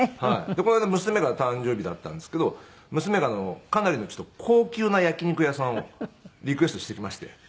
この間娘が誕生日だったんですけど娘がかなりの高級な焼き肉屋さんをリクエストしてきまして。